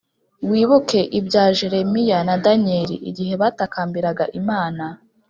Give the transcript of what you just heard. wibuke ibya jeremiya na daniel igihe batakambiraga imana